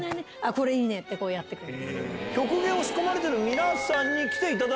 これいいね！ってやってくんです。